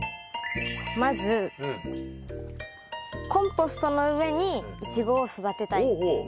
まずコンポストの上にイチゴを育てたいっていう。